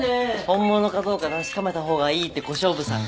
本物かどうか確かめた方がいいって小勝負さんが。